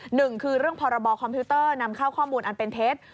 หนึ่งคือเรื่องพรบคอมพิวเตอร์นำเข้าข้อมูลอันเป็นเท็จ